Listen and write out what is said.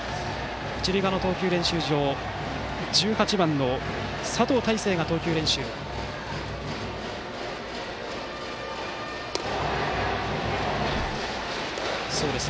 一塁側の投球練習場１８番の佐藤大清が投球練習をしています。